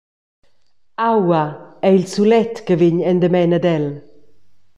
Aua, ei il sulet che vegn endamen ad el.